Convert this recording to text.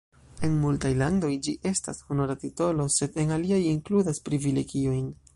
En multaj landoj, ĝi estas honora titolo, sed en aliaj inkludas privilegiojn.